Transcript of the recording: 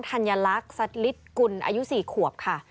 ธัญลักษณ์สัตลิศกุลอายุ๔ขวบค่ะ